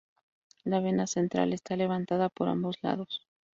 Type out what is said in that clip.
La vena central está levantada por ambos lados.